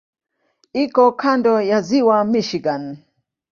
Iko kando ya Ziwa Michigan.